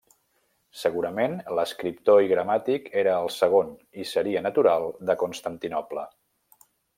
Segurament l'escriptor i gramàtic era el segon i seria natural de Constantinoble.